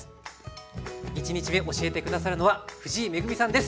１日目教えて下さるのは藤井恵さんです。